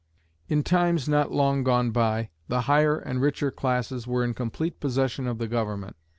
"In times not long gone by, the higher and richer classes were in complete possession of the government.